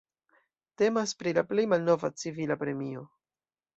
Temas pri la plej malnova civila premio.